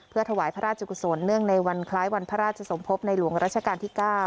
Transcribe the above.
ถวายพระราชกุศลเนื่องในวันคล้ายวันพระราชสมภพในหลวงราชการที่๙